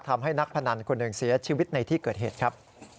ทำให้นักพนันคนหนึ่งเสียชีวิตในที่เกิดเหตุครับ